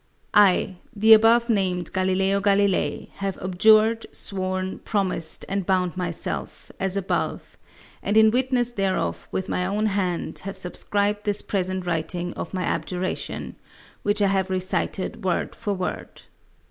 I, the above named Galileo Galilei, have abjured, sworn, promised, and bound myself as above, and in witness thereof with my own hand have subscribed this present writing of my abjuration, which I have recited word for word.